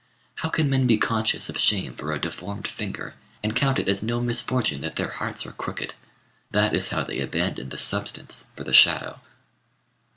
How can men be conscious of shame for a deformed finger, and count it as no misfortune that their hearts are crooked? That is how they abandon the substance for the shadow.